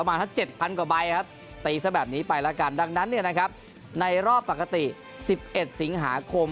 มาถ้า๗๐๐กว่าใบครับตีซะแบบนี้ไปแล้วกันดังนั้นเนี่ยนะครับในรอบปกติ๑๑สิงหาคม